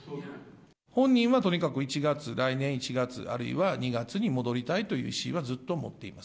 本人はとにかく１月、来年１月、あるいは２月に戻りたいという意思はずっと持っています。